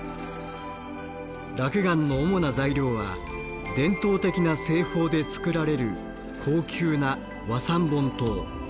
落雁の主な材料は伝統的な製法で作られる高級な和三盆糖。